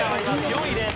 ４位です。